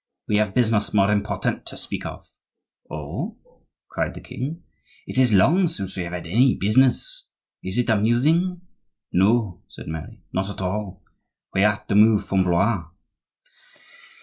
We have business more important to speak of." "Oh!" cried the king, "it is long since we have had any business. Is it amusing?" "No," said Mary, "not at all; we are to move from Blois."